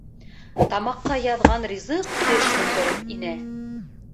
Тамаҡҡа яҙған ризыҡ теш һындырып инә.